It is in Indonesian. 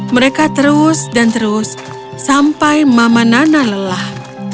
mereka terus dan terus sampai mama nana lelah